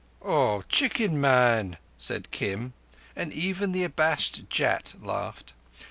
"Oh, chicken man!" said Kim, and even the abashed Jat laughed.